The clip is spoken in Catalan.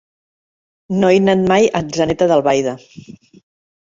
No he anat mai a Atzeneta d'Albaida.